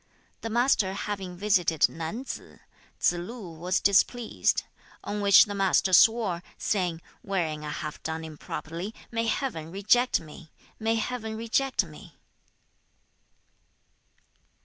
The Master having visited Nan tsze, Tsze lu was displeased, on which the Master swore, saying, 'Wherein I have done improperly, may Heaven reject me, may Heaven reject me!'